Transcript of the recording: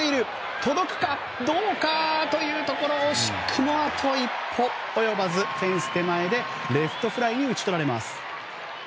届くかどうかというところ惜しくもあと一歩及ばずフェンス手前でレフトフライに打ち取られます。